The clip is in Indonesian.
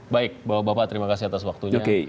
baik bapak bapak terima kasih atas waktunya